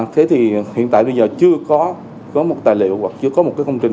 thế thì hiện tại bây giờ chưa có một tài liệu hoặc chưa có một công trình